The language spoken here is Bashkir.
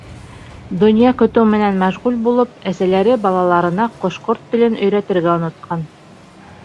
Донъя көтөү менән мәшғүл булып, әсәләре балаларына ҡош-ҡорт телен өйрәтергә онотҡан.